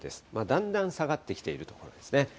だんだん下がってきているところですね。